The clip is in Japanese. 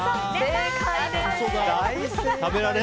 正解です。